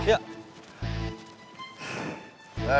ya baiklah pak